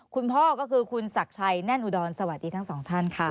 คุณพ่อก็คือคุณศักดิ์ชัยแน่นอุดรสวัสดีทั้งสองท่านค่ะ